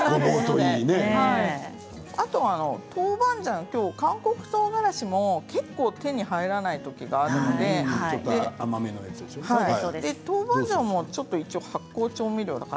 豆板醤韓国とうがらしが手に入らない時があるので豆板醤も発酵調味料だから